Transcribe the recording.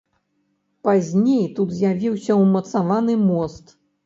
Пазней тут з'явіўся ўмацаваны мост.